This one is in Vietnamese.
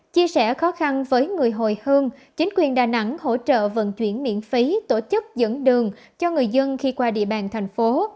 chia sẻ khó khăn với người hồi hương chính quyền đà nẵng hỗ trợ vận chuyển miễn phí tổ chức dẫn đường cho người dân khi qua địa bàn thành phố